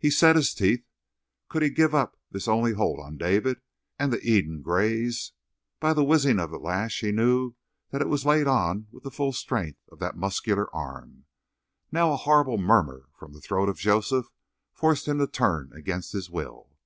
He set his teeth. Could he give up his only hold on David and the Eden Grays? By the whizzing of the lash he knew that it was laid on with the full strength of that muscular arm. Now a horrible murmur from the throat of Joseph forced him to turn against his will.